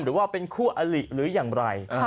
หรือว่าเป็นคู่อลิหรืออย่างไร